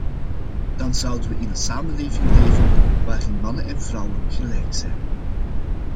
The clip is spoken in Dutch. Dan zouden we in een samenleving leven waarin mannen en vrouwen gelijk zijn.